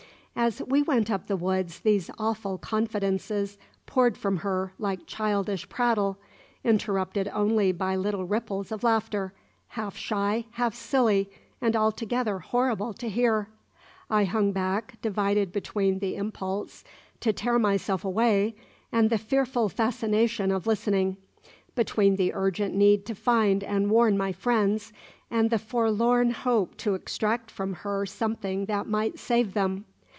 As we went up the woods these awful confidences poured from her like childish prattle, interrupted only by little ripples of laughter, half shy, half silly, and altogether horrible to hear. I hung back, divided between the impulse to tear myself away and the fearful fascination of listening between the urgent need to find and warn my friends, and the forlorn hope to extract from her something that might save them.